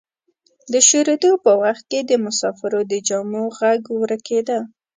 د شورېدو په وخت کې د مسافرو د جامو غږ ورکیده.